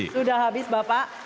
waktunya sudah habis bapak